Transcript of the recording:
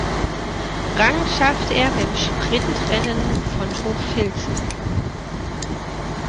Rang schaffte er beim Sprintrennen von Hochfilzen.